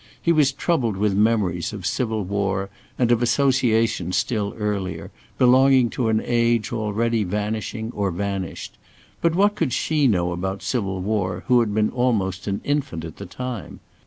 He was troubled with memories of civil war and of associations still earlier, belonging to an age already vanishing or vanished; but what could she know about civil war who had been almost an infant at the time?